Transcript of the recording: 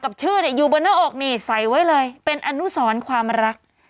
กับชื่อเนี่ยอยู่บนหน้าอกนี่ใส่ไว้เลยเป็นอนุสรความรัก